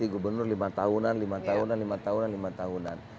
gubernur lima tahunan lima tahunan lima tahunan lima tahunan